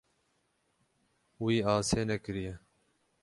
Wî asê nekiriye.